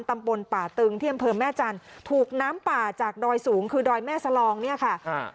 ตำบลป่าตึงที่อำเภอแม่จันทร์ถูกน้ำป่าจากดอยสูงคือดอยแม่สลองเนี่ยค่ะอ่า